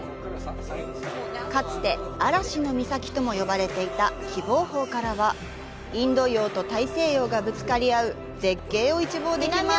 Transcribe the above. かつて嵐の岬とも呼ばれていた喜望峰からはインド洋と大西洋がぶつかり合う絶景を一望できます。